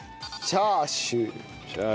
チャーシュー。